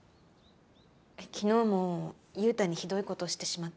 昨日も優太にひどい事をしてしまって。